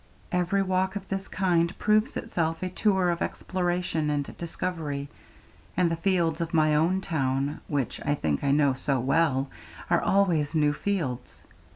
Every walk of this kind proves itself a tour of exploration and discovery, and the fields of my own town, which I think I know so well, are always new fields.